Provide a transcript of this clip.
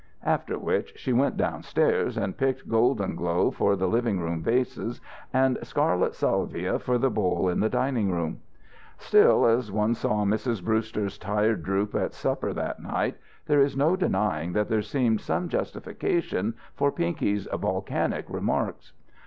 After which she went downstairs and picked golden glow for the living room vases and scarlet salvia for the bowl in the dining room. Still, as one saw Mrs. Brewster's tired droop at supper that night, there is no denying that there seemed some justification for Pinky's volcanic remarks.